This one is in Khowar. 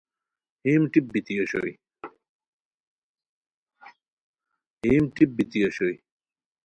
ہیم ٹیپ بیتی اوشوئے